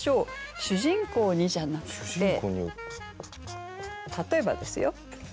「主人公に」じゃなくて例えばですよ。